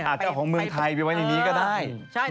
จะเอาของเมืองไทยไปไว้ในนี้ก็ได้